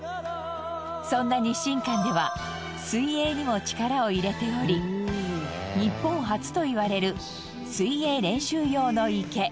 そんな日新館では水泳にも力を入れており日本初といわれる水泳練習用の池